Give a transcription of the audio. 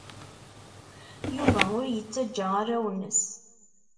Yuba ur yettajja arraw-nnes.